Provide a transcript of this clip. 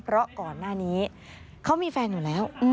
เพราะก่อนหน้านี้เขามีแฟนอยู่แล้ว